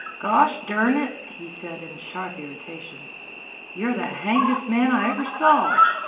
"Gosh dern it!" he said in sharp irritation; "you're the hangdest man I ever saw!